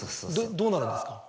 どどうなるんですか？